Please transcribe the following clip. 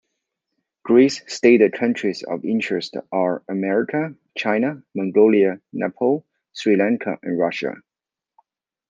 Gray's stated countries of interest are America, China, Mongolia, Nepal, Sri Lanka and Russia.